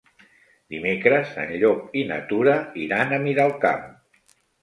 Dimecres en Llop i na Tura iran a Miralcamp.